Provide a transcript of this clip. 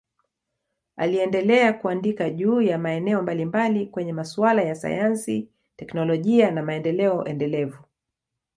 Aliendelea kuandika juu ya maeneo mbalimbali kwenye masuala ya sayansi, teknolojia na maendeleo endelevu.